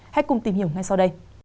hãy cùng tìm hiểu ngay sau đây